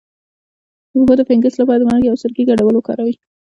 د پښو د فنګس لپاره د مالګې او سرکې ګډول وکاروئ